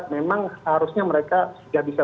memang harusnya mereka tidak bisa